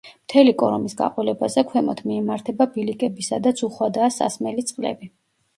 მთელი კორომის გაყოლებაზე ქვემოთ მიემართება ბილიკები სადაც უხვადაა სასმელი წყლები.